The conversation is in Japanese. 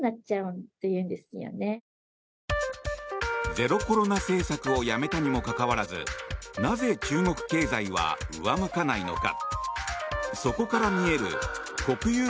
ゼロコロナ政策をやめたにもかかわらずなぜ、中国経済は上向かないのか。